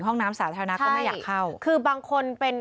ห้องน้ำสาธารณะก็ไม่อยากเข้าคือบางคนเป็น